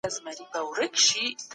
مجرم باید خپله سزا تېره کړي.